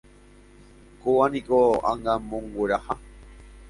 Kóvaniko Angamongueraha